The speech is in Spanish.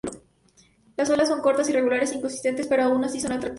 Las olas son cortas, irregulares e inconsistente, pero aun así son atractivas para surf.